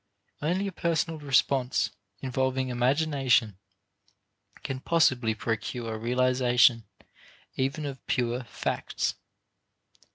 Only a personal response involving imagination can possibly procure realization even of pure "facts."